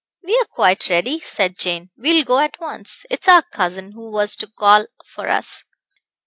"We are quite ready," said Jane; "We will go at once. It is our cousin, who was to call for us."